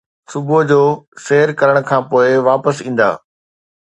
صبح جو، سير ڪرڻ کان پوء واپس ايندا